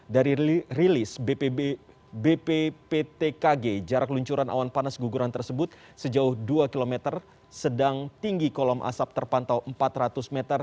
dari rilis bpptkg jarak luncuran awan panas guguran tersebut sejauh dua km sedang tinggi kolom asap terpantau empat ratus meter